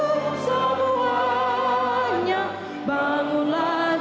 dibawa orangnya ntuh di sini